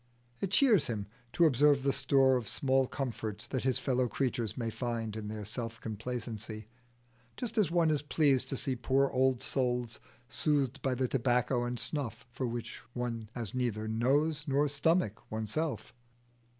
It cheers him to observe the store of small comforts that his fellow creatures may find in their self complacency, just as one is pleased to see poor old souls soothed by the tobacco and snuff for which one has neither nose nor stomach oneself.